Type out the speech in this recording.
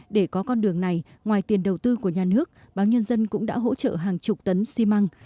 để có con đường này ngoài tiền đầu tư của nhà nước báo nhân dân cũng đã hỗ trợ hàng chục tấn xi măng